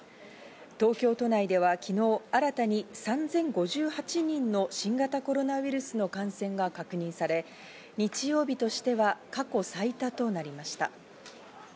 東京都内では昨日、新たに３０５８人の新型コロナウイルスの感染が確認され、日曜日としては過去最多となりました。